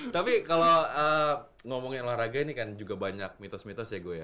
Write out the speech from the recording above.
tapi kalau ngomongin olahraga ini kan juga banyak mitos mitos ya gue ya